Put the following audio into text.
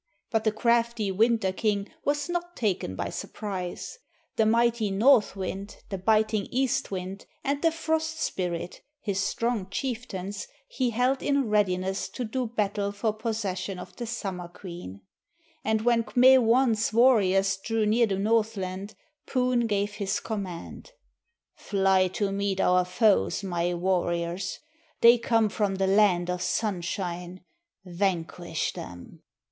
But the crafty Winter King was not taken by surprise. The mighty North wind, the biting East wind, and the Frost spirit, his strong chieftains, he held in readiness to do battle for possession of the Summer Queen. And when K'me wan's warriors drew near the Northland, Poon gave his command. "Fly to meet our foes, my warriors! They come from the land of Sunshine! Vanquish them!"